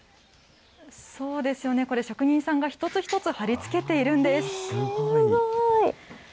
そうですよね、これ、職人さんが一つ一つ、貼り付けているんすごい。